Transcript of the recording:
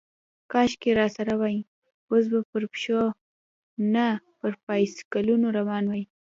کاشکې راسره وای، اوس به پر پښو، نه پر بایسکلونو روان وای.